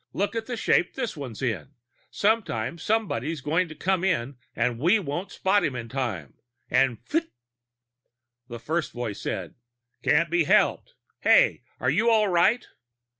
Look at the shape this one is in! Some time somebody's going to come in and we won't spot him in time and pfut!" The first voice said: "Can't be helped. Hey! Are you all right?"